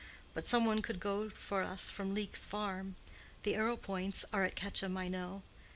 But some one could go for us from Leek's farm. The Arrowpoints are at Quetcham, I know.